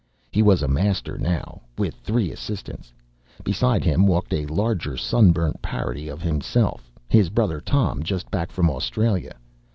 He was a master now, with three assistants. Beside him walked a larger sunburnt parody of himself, his brother Tom, just back from Australia.